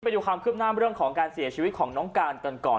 ไปดูความคืบหน้าเรื่องของการเสียชีวิตของน้องการกันก่อน